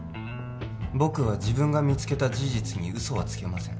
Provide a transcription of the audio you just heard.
僕は自分が見つけた事実に嘘はつけません